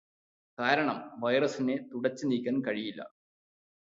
കാരണം വൈറസിനെ തുടച്ചു നീക്കാൻ കഴിയില്ല.